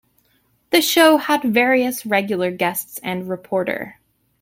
The show had various regular guests and reporter.